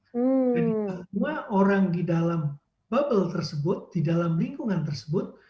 jadi semua orang di dalam bubble tersebut di dalam lingkungan tersebut